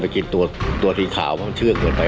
มากี่ตัวดินขาวที่เหมือนเชื่อเกินไป